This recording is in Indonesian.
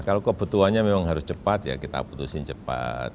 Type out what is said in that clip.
kalau kebutuhannya memang harus cepat ya kita putusin cepat